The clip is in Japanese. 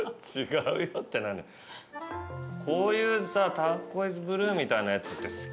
こういうさターコイズブルーみたいなやつって好き？